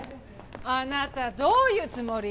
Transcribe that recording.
あなたどういうつもり？